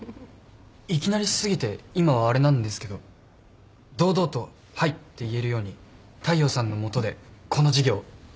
いきなりすぎて今はあれなんですけど堂々と「はい」って言えるように大陽さんの下でこの事業やらせてください。